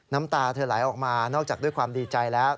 น้ำตาเธอไหลออกมานอกจากด้วยความดีใจแล้ว